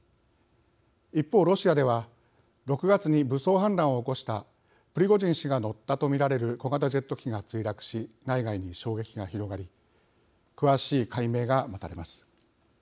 一方ロシアでは６月に武装反乱を起こしたプリゴジン氏が乗ったと見られる小型ジェット機が墜落し内外に衝撃が広がり詳しい解明が待たれます。